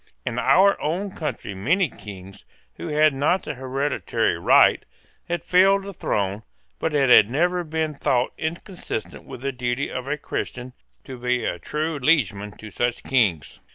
In our own country many Kings, who had not the hereditary right, had filled the throne but it had never been thought inconsistent with the duty of a Christian to be a true liegeman to such Kings.